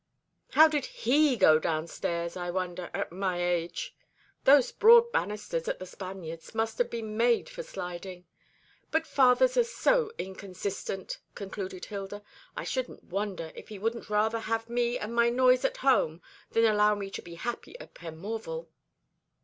How did he go downstairs I wonder, at my age? Those broad banisters at The Spaniards must have been made for sliding. But fathers are so inconsistent," concluded Hilda. "I shouldn't wonder if he wouldn't rather have me and my noise at home than allow me to be happy at Penmorval."